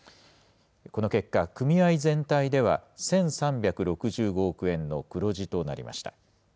この結果、組合全体では１３６５億円の黒字となりました。